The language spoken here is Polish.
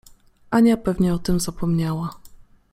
Ania pewnie o tym zapomniała.